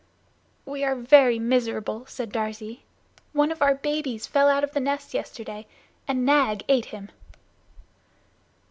"We are very miserable," said Darzee. "One of our babies fell out of the nest yesterday and Nag ate him."